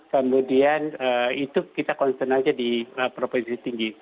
kemudian itu kita konsentrasi di provinsi tinggi